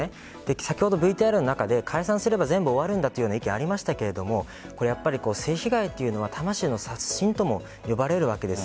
先ほど、ＶＴＲの中で解散すれば全部終わるんだという意見がありましたが性被害というのは魂の殺人とも呼ばれるわけです。